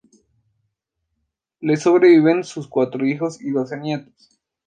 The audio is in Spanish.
Le sobreviven sus cuatro hijos y doce nietos.